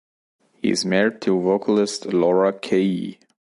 He is married to vocalist Laura Kaye.